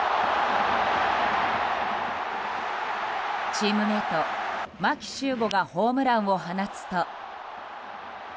チームメート、牧秀悟がホームランを放つと。